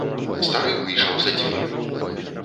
Стары выйшаў за дзверы.